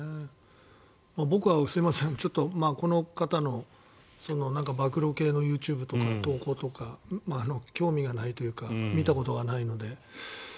僕はすみません、この方の暴露系のＹｏｕＴｕｂｅとか投稿とか興味がないというか見たことがないので。